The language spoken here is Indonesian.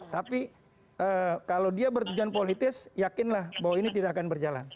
tapi kalau dia bertujuan politis yakinlah bahwa ini tidak akan berjalan